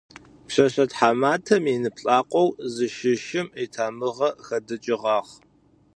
Пшъэшъэ тхьаматэм инып лӏакъоу зыщыщым итамыгъэ хэдыкӏыгъагъ.